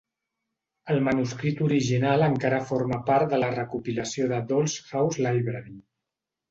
El manuscrit original encara forma part de la recopilació de Dolls' House Library.